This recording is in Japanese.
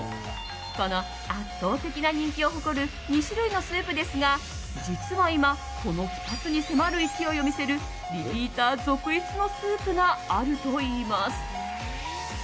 この圧倒的な人気を誇る２種類のスープですが実は今この２つに迫る勢いを見せるリピーター続出のスープがあるといいます。